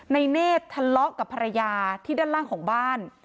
เนธทะเลาะกับภรรยาที่ด้านล่างของบ้าน